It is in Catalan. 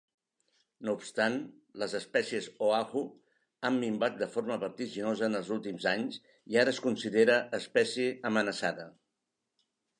No obstant, les espècies Oahu han minvat de forma vertiginosa en els últims anys i ara es considera espècie amenaçada.